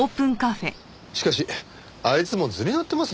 しかしあいつも図に乗ってますね。